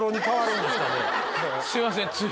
すいませんつい。